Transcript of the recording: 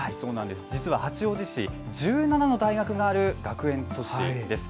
実は八王子市１７の大学がある学園都市です。